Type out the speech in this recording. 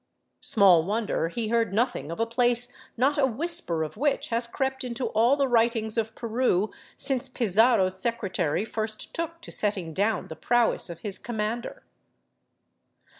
Small wonder he heard noth ing of a place not a whisper of which has crept into all the writings of Peru since Pizarro's secretary first took to setting down the prowess of his commander.